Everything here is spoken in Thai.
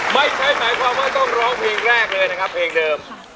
ไม่ใช่หมายความว่าต้องร้องเพลงแรกเลยนะครับเพลงเดิม